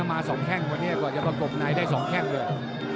มาสองแข่งกว่านี้กว่าจะประกบนายได้สองแข่งเลย